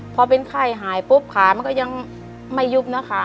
พอเป็นไข้หายปุ๊บขามันก็ยังไม่ยุบนะคะ